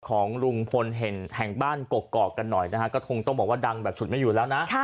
ของลุงพลแห่งบ้านกกอกกันหน่อยนะฮะก็คงต้องบอกว่าดังแบบฉุดไม่อยู่แล้วนะ